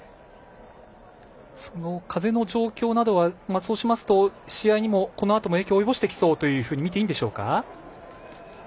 風の状況などはそうしますと試合にもこのあとも影響を及ぼしてきそうだと見ていいんでしょうか？